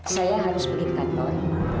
saya harus pergi ke kantor